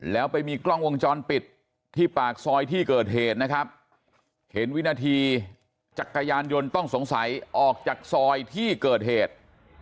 แล้วไปมีกล้องวงจรปิดที่ปากซอยที่เกิดเหตุนะครับเห็นวินาทีจักรยานยนต์ต้องสงสัยออกจากซอยที่เกิดเหตุ